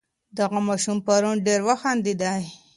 دغه ماشوم پرون ډېر وخندېدی.